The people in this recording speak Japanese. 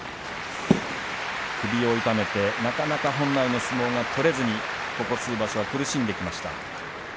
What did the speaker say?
首を痛めてなかなか本来の相撲が取れずにここ数場所は苦しんできました。